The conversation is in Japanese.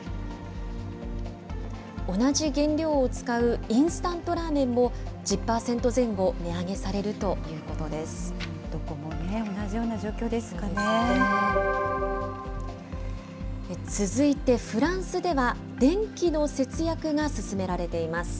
同じ原料を使うインスタントラーメンも、１０％前後、値上げされどこもね、続いてフランスでは、電気の節約がすすめられています。